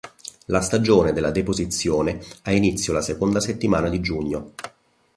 La stagione della deposizione ha inizio la seconda settimana di giugno.